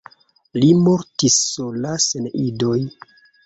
Li mortis sola sen idoj.